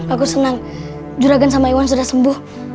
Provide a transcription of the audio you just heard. aku senang juragan sama iwan sudah sembuh